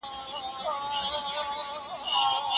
د انسانانو کرامت او درناوی بايد وساتل سي.